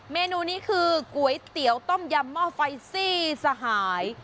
เมนูนี้คือก๋วยเตี๋ยวต้มยำหม้อไฟซี่สหาย